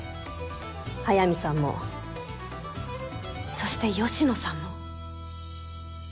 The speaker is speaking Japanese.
速水さんもそして芳野さんも。